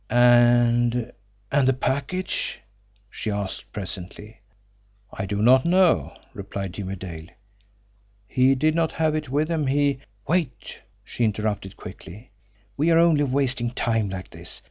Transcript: "And and the package?" she asked presently. "I do not know," replied Jimmie Dale. "He did not have it with him; he " "Wait!" she interrupted quickly. "We are only wasting time like this!